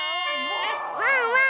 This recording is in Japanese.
ワンワン